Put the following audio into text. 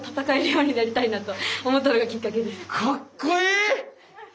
かっこいい！